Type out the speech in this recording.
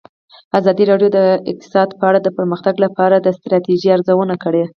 ازادي راډیو د اقتصاد په اړه د پرمختګ لپاره د ستراتیژۍ ارزونه کړې.